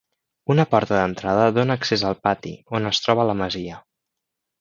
Una porta d'entrada dóna accés al pati on es troba la masia.